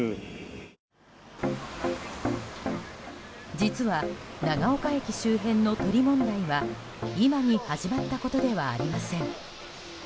実は長岡駅周辺の鳥問題は今に始まったことではありません。